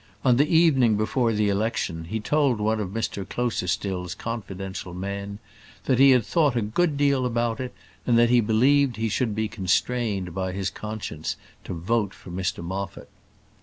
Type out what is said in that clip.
On the evening before the election, he told one of Mr Closerstil's confidential men, that he had thought a good deal about it, and that he believed he should be constrained by his conscience to vote for Mr Moffat.